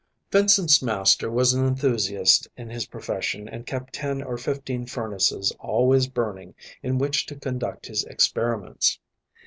Vincent's master was an enthusiast in his profession and kept ten or fifteen furnaces always burning in which to conduct his experiments.